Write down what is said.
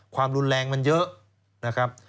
ความรุนแรงมันเยอะนะครับ